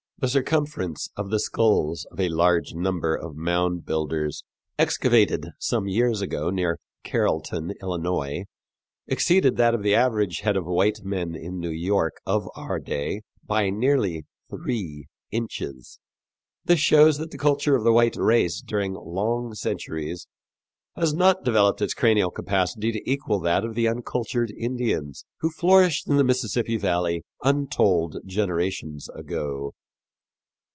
The circumference of the skulls of a large number of mound builders, excavated some years ago near Carrollton, Illinois, exceeded that of the average head of white men in New York of our day by nearly three inches. This shows that the culture of the white race during long centuries has not developed its cranial capacity to equal that of the uncultured Indians who flourished in the Mississippi valley untold generations ago.